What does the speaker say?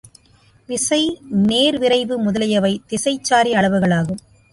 விசை, நேர்விரைவு முதலியவை திசைச்சாரி அளவுகளாகும்.